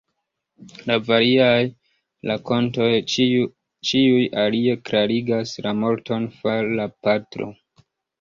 La variaj rakontoj ĉiuj alie klarigas la morton far la patro.